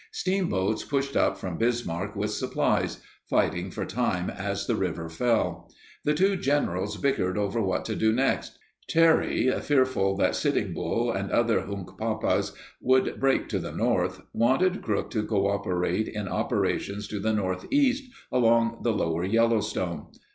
Steamboats pushed up from Bismarck with supplies, fighting for time as the river fell. The two generals bickered over what to do next. Terry, fearful that Sitting Bull and other Hunkpapas would break to the north, wanted Crook to cooperate in operations to the northeast, along the lower Yellowstone.